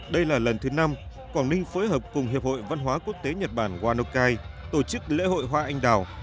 đây là lần thứ năm quảng ninh phối hợp cùng hiệp hội văn hóa quốc tế nhật bản wanokai tổ chức lễ hội hoa anh đào